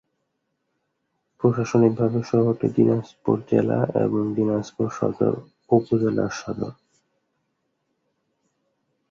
প্রশাসনিকভাবে শহরটি দিনাজপুর জেলা এবং দিনাজপুর সদর উপজেলার সদর।